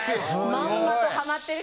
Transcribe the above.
まんまとはまってる。